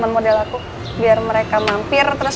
dan kandung aku bisa pulang hustlein